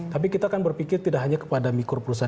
tapi kita akan berpikir tidak hanya kepada mikro perusahaan